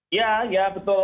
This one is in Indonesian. iya ya betul